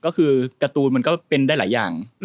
ก็คือการ์ตูนมันก็เป็นได้หลายอย่าง